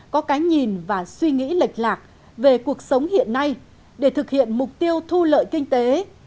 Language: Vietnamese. có cái nhìn và suy nghĩ lệch lạc về cuộc sống hiện nay để thực hiện mục tiêu thu lợi kinh tế